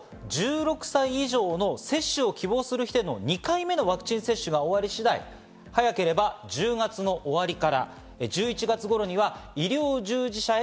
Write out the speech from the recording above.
今後１６歳以上で接種を希望する人への２回目のワクチン接種が終わり次第、早ければ１０月の終わりから１１月頃には医療従事者へ